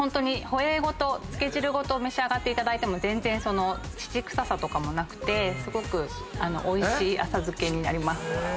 ホエーごと漬け汁ごと召し上がっていただいても全然乳臭さとかもなくてすごくおいしい浅漬けになります。